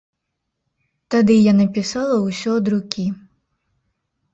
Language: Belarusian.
Тады я напісала ўсё ад рукі.